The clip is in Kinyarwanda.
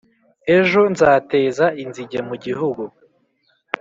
Ejo nzateza inzige mu gihugu